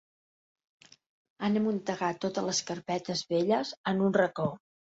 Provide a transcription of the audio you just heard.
Han amuntegat totes les carpetes velles en un racó.